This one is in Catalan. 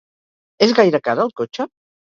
És gaire car el cotxe?